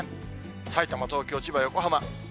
さいたま、東京、千葉、横浜。